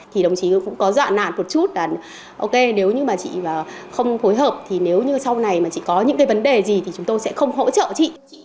thì đồng chí cũng có dọa nản một chút là ok nếu như mà chị không phối hợp thì nếu như sau này mà chị có những cái vấn đề gì thì chúng tôi sẽ không hỗ trợ chị